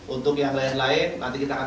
untuk yang lain lain nanti kita akan